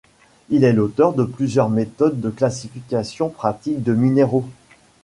Il est l'auteur de plusieurs méthodes de classification pratique de minéraux.